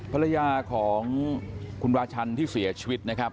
ภรรยาของคุณราชันที่เสียชีวิตนะครับ